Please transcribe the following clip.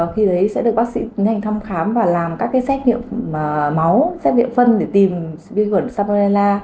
khi đấy sẽ được bác sĩ nhanh thăm khám và làm các xét nghiệm máu xét nghiệm phân để tìm viên khuẩn salmonella